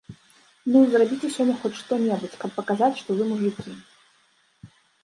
Ну, зрабіце сёння хоць што-небудзь, каб паказаць, што вы мужыкі!